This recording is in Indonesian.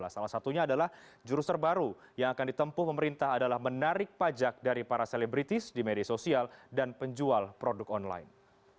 salah satunya adalah jurus terbaru yang akan ditempuh pemerintah adalah menarik pajak dari para selebritis di media sosial dan penjual produk online